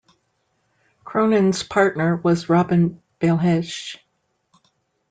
Cronin's partner was Robin Bailhache.